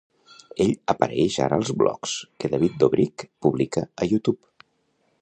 Ell apareix ara als blogs que David Dobrik publica a YouTube.